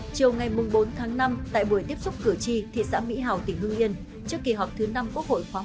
chiều ngày bốn tháng năm tại buổi tiếp xúc cửa chi thị xã mỹ hảo tỉnh hương yên trước kỳ họp thứ năm quốc hội khoáng một mươi năm